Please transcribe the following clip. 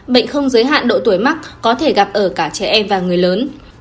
bệnh không giới hạn độ tuổi mắc có thể gặp ở cả trẻ em và người lớn